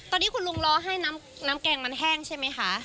ตอนนี้คุณลุงรอให้น้ำแกงมันแห้งใช่ไหมคะ